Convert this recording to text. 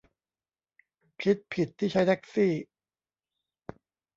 คิดผิดที่ใช้แท็กซี่